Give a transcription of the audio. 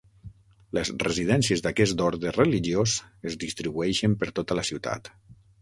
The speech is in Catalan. Les residències d'aquest orde religiós es distribueixen per tota la ciutat.